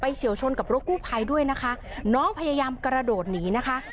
เฉียวชนกับรถกู้ภัยด้วยนะคะน้องพยายามกระโดดหนีนะคะ